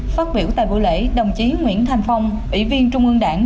phát biểu tại buổi lễ đồng chí nguyễn thành phong ủy viên trung ương đảng